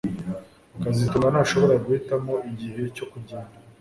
kazitunga ntashobora guhitamo igihe cyo kugenda